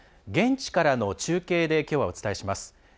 現地からの中継できょうはお伝えします。